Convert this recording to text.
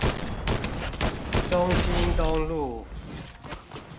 中興東路